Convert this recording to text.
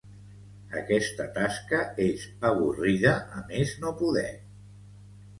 Aquesta tasca és avorrida a més no poder.